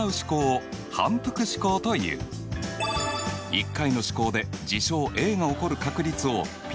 １回の試行で事象Ａが起こる確率をｐとする。